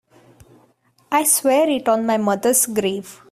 I swear it on my mother's grave.